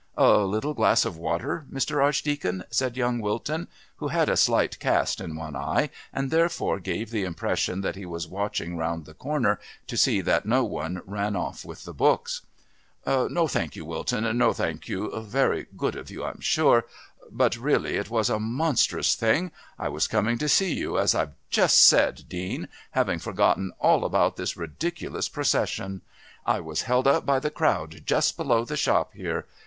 "A little glass of water, Mr. Archdeacon?" said young Wilton, who had a slight cast in one eye, and therefore gave the impression that he was watching round the corner to see that no one ran off with the books. "No, thank you, Wilton.... No, thank you.... Very good of you, I'm sure. But really it was a monstrous thing. I was coming to see you, as I've just said, Dean, having forgotten all about this ridiculous procession. I was held up by the crowd just below the shop here.